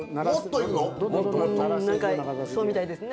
何かそうみたいですね。